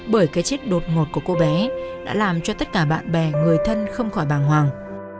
bởi cái chết đột ngột của cô bé đã làm cho tất cả bạn bè người thân không khỏi bàng hoàng